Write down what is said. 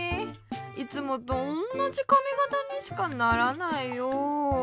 いつもとおんなじかみがたにしかならないよ。